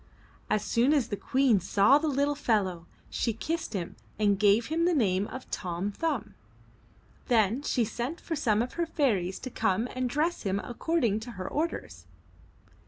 As soon as the Queen saw the little fellow, she kissed him and gave him the name of Tom Thumb. Then she sent for some of her fairies to come and dress him accord ing to her orders.